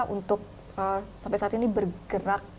untuk sampai saat ini bergerak